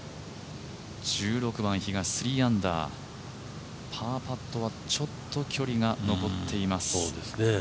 １６番、比嘉、３アンダーパーパットはちょっと距離が残っています。